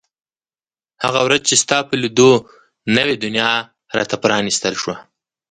هغه ورځ چې ستا په لیدو نوې دنیا را ته پرانیستل شوه.